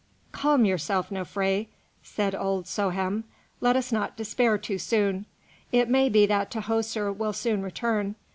"Calm yourself, Nofré," said old Souhem; "let us not despair too soon. It may be that Tahoser will soon return.